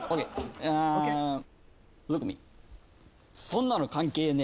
そんなの関係ねえ